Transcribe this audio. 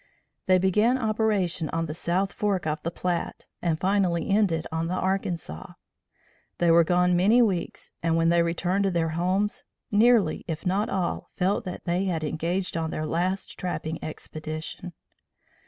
They began operation on the South Fork of the Platte and finally ended on the Arkansas. They were gone many weeks and when they returned to their homes, nearly if not all felt that they had engaged on their last trapping expedition.